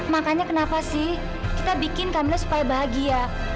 makanya kenapa sih kita bikin kamera supaya bahagia